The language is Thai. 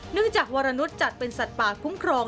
จากวรนุษย์จัดเป็นสัตว์ป่าคุ้มครอง